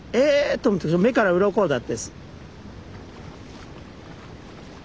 と思って目からうろこだったです。